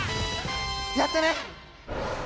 やったね！